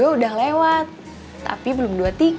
dua puluh dua udah lewat tapi belum dua puluh tiga